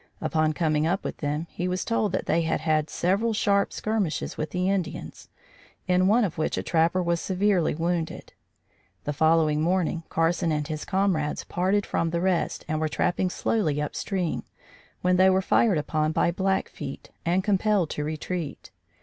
Upon coming up with them, he was told that they had had several sharp skirmishes with the Indians, in one of which a trapper was severely wounded. The following morning, Carson and his comrades parted from the rest and were trapping slowly up stream, when they were fired upon by Blackfeet and compelled to retreat.